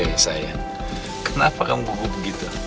hei sayang kenapa kamu gugup begitu